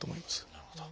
なるほど。